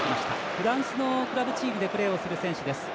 フランスのクラブチームでプレーをする選手です。